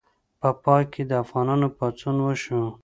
په پای کې د افغانانو پاڅون وشو.